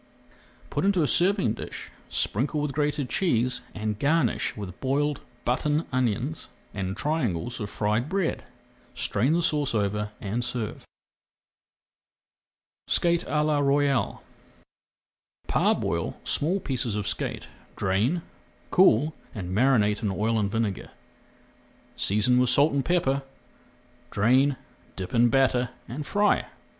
Put into a serving dish, sprinkle with grated cheese, and garnish with boiled button onions and triangles of fried bread. Strain the sauce over and serve. SKATE À LA ROYALE Parboil small pieces of skate, drain, cool, and marinate in oil and vinegar, seasoning with salt and pepper. Drain, dip in batter, and fry.